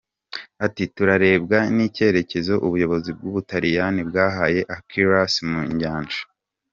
Ati “Turarebwa n’icyerecyezo ubuyobozi bw’u Butaliyani bwahaye Acquarius mu nyanja.